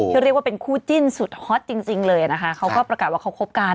เรียกว่าเป็นคู่จิ้นสุดฮอตจริงจริงเลยนะคะเขาก็ประกาศว่าเขาคบกัน